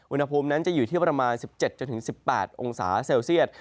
อุณหภูมินั้นจะอยู่ที่ประมาณ๑๗๑๘องศาเซลเซียต